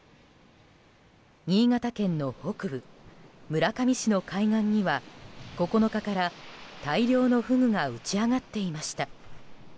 新潟県の北部村上市の海岸には９日から、大量のフグが打ち揚がっていました。